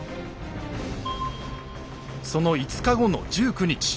その５日後の１９日。